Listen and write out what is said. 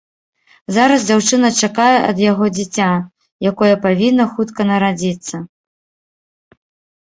Зараз дзяўчына чакае ад яго дзіця, якое павінна хутка нарадзіцца.